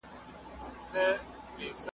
د خوښې شاعر دې څوک دی؟